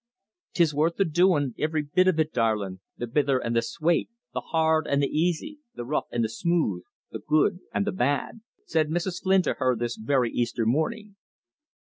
"'Tis worth the doin', ivery bit of it, darlin', the bither an' the swate, the hard an' the aisy, the rough an' the smooth, the good an' the bad," said Mrs. Flynn to her this very Easter morning.